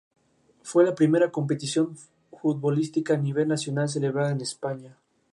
La biblioteca es una sala de dos pisos con una galería.